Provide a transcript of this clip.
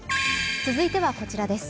続いてはこちらです。